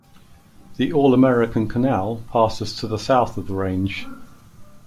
The All American Canal passes to the south of the range.